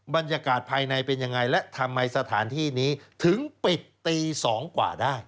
บรรยากาศภายในเป็นยังไงและทำไมสถานที่นี้ถึงปิดตี๒กว่าได้